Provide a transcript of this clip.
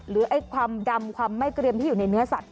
หรือความดำความไม่เกรียมที่อยู่ในเนื้อสัตว